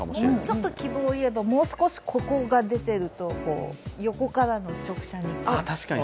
ちょっと希望をいえばもう少しここが出てると横からの直射日光が。